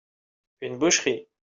une boucherie.